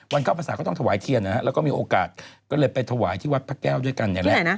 วันเก้าภาษาก็ได้ถวายเทียนและมีโอกาสเราก็ไปถวายที่วัดพระแก้วด้วยกัน